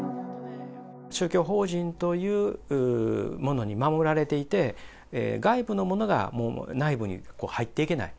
宗教法人というものに守られていて、外部の者がもう内部に入っていけない。